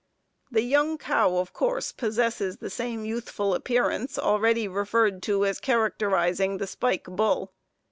_ The young cow of course possesses the same youthful appearance already referred to as characterizing the "spike" bull.